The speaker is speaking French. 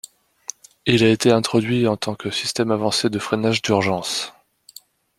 Il a été introduit en tant que systèmes avancés de freinage d’urgence.